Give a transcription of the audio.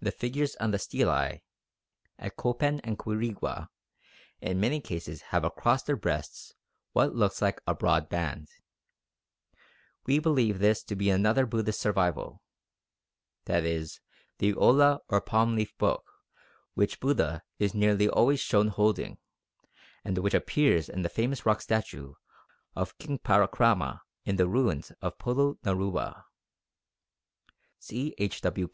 The figures on the stelae at Copan and Quirigua, in many instances have across their breasts what looks like a broad band. We believe this to be another Buddhist survival viz. the ola or palm leaf book which Buddha is nearly always shown holding, and which appears in the famous rock statue of King Parakrama in the ruins of Polonnaruwa (see H. W.